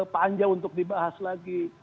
panja untuk dibahas lagi